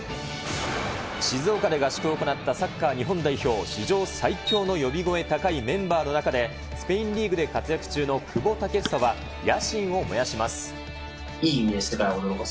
静岡で合宿を行ったサッカー日本代表、史上最強の呼び声高いメンバーの中で、スペインリーグで活躍中の久保建英は、野心を燃やします。